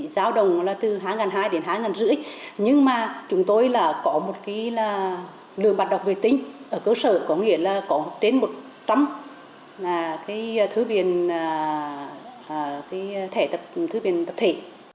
giáo đồng là từ hai hai trăm linh đến hai năm trăm linh nhưng mà chúng tôi có một lượng bạn đọc về tính ở cơ sở có nghĩa là có trên một trăm linh thư viện tập thể